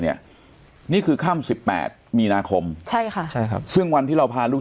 นี่คือค่ำสิบแปดมีนาคมใช่ค่ะใช่ครับซึ่งวันที่เราพาลูก